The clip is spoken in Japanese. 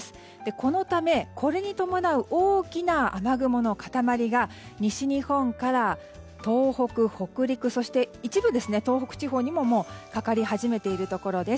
このためこれに伴う大きな雨雲の塊が西日本から東北、北陸そして一部東北地方にもかかり始めているところです。